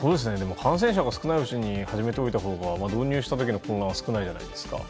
感染者が少ないうちに始めておいたほうが導入した時の混乱は少ないじゃないですか。